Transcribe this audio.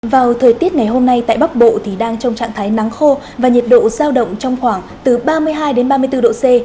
vào thời tiết ngày hôm nay tại bắc bộ thì đang trong trạng thái nắng khô và nhiệt độ giao động trong khoảng từ ba mươi hai ba mươi bốn độ c